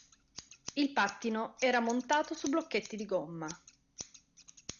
Il pattino era montato su blocchetti di gomma.